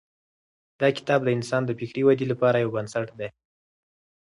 دا کتاب د انسان د فکري ودې لپاره یو بنسټ دی.